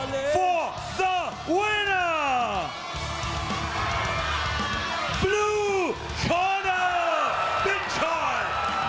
หนังปรุธอดทน